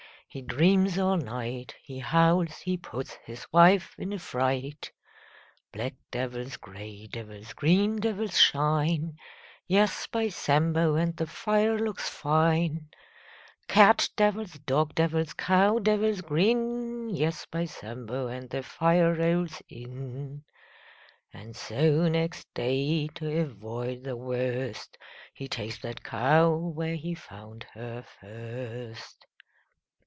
He dreams all night. He howls. He puts his wife in a fright. Black devils, grey devils, green devils shine — Yes, by Sambo, And the fire looks fine! Cat devils, dog devils, cow devils grin — Yes, by Sambo, And the fire rolls in. 870911 100 VACHEL LINDSAY And so, next day, to avoid the worst — He ta'kes that cow Where he found her first.